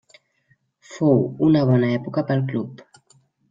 Fou una bona època pel club.